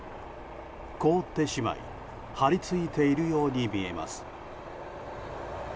凍ってしまい張り付いているように見えます。